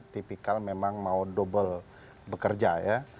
tipikal memang mau double bekerja ya